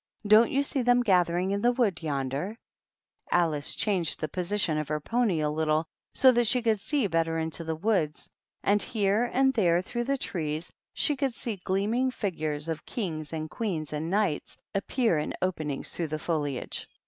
"Don't you see them gathering in the wood yonder ?" Alice changed the position of her pony a little so that she could see better into the woods, and here and there through the trees she could see gleaming figures of Kings and Queens and Knights appear in openings through the foliage.